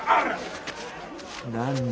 何だ？